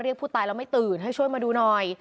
ผู้ตายแล้วไม่ตื่นให้ช่วยมาดูหน่อย